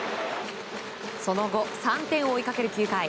その後、３点を追いかける９回。